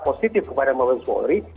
positif kepada mabes wallery